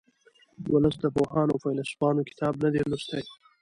ولس د پوهانو او فیلسوفانو کتابونه نه دي لوستي